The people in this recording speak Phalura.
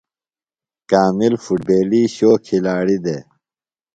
کامل فُٹبیلی شو کِھلاڑیۡ دےۡ۔